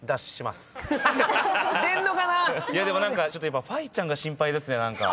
でも何かちょっと今ファイちゃんが心配ですね。